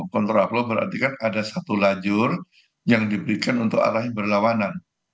kontra flow berarti kan ada satu lajur yang diberikan untuk alahi berlawanan